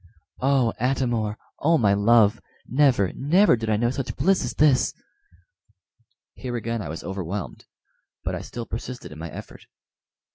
"Oh, Atam or! oh, my love! never, never did I know such bliss as this." Here again I was overwhelmed, but I still persisted in my effort.